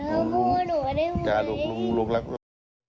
ลูกอยากทำผ้าหนูได้ไหม